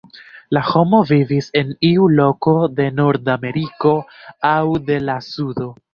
La homo vivis en iu loko de Nord-Ameriko aŭ de la Sudo.